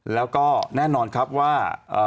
แล้วก็แน่นอนครับว่า